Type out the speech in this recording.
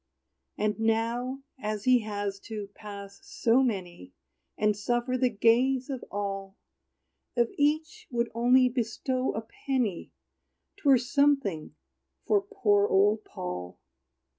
And now, as he has to pass so many, And suffer the gaze of all, If each would only bestow a penny, 'Twere something for poor old Paul.